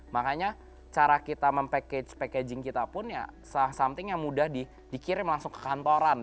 makanya cara kita mem package packaging kita pun ya something yang mudah dikirim langsung ke kantoran